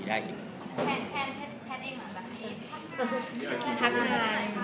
พักมา